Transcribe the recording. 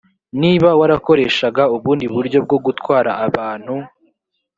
niba warakoreshaga ubundi buryo bwo gutwara abantu